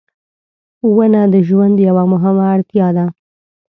• ونه د ژوند یوه مهمه اړتیا ده.